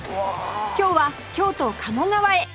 今日は京都鴨川へ